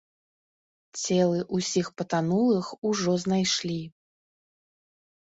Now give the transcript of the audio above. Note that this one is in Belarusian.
Целы ўсіх патанулых ужо знайшлі.